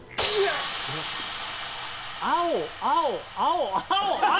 青青青青青！